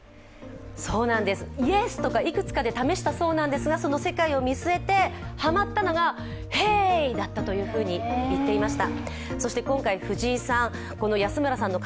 ＹＥＳ！とかいくつかで試したそうなんですが世界を見据えて、ハマったのが「ＨＥＹ」だったというふうに言っていました。